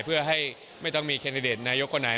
เพื่อให้ไม่ต้องมีแคนดิเดตนายกคนไหน